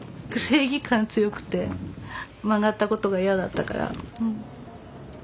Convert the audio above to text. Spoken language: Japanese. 正義感強くて曲がったことが嫌だったから。